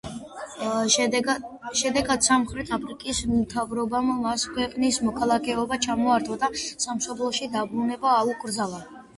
შედეგად, სამხრეთ აფრიკის მთავრობამ მას ქვეყნის მოქალაქეობა ჩამოართვა და სამშობლოში დაბრუნება აუკრძალა.